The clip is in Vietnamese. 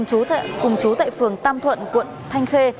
cùng chú tại phường tam thuận quận thanh khê